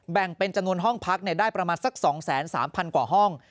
แบ่งเป็นจำนวนห้องพักได้ประมาณสัก๒๓๐๐กว่าห้อง